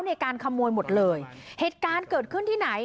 ในการขโมยหมดเลยเหตุการณ์เกิดขึ้นที่ไหน